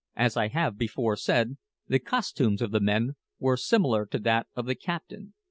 As I have before said, the costumes of the men were similar to that of the captain.